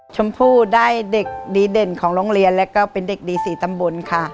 ชมพู่ได้เด็กดีเด่นของโรงเรียนแล้วก็เป็นเด็กดี๔ตำบลค่ะ